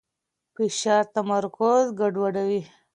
فشار تمرکز ګډوډوي.